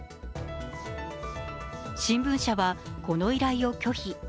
新聞社は、この依頼を拒否。